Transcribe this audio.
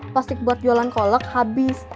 plastik buat jualan kolak habis